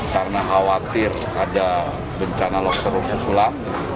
karena khawatir ada bencana longsor rusak sulap